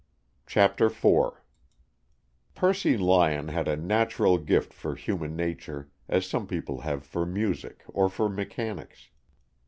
CHAPTER IV Percy Lyon had a natural gift for human nature, as some people have for music or for mechanics.